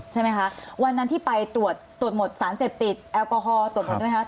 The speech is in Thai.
ใช่ไหมคะวันนั้นที่ไปตรวจตรวจหมดสารเสพติดแอลกอฮอล์ตรวจหมดใช่ไหมคะ